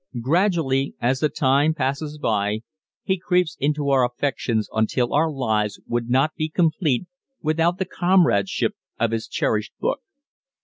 Gradually, as the time passes by, he creeps into our affections until our lives would not be complete without the comradeship of his cherished book.